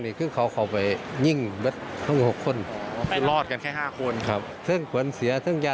ติดต่อไม่ได้ครับไม่ได้เลยตอนนั้นคิดกันอย่างไร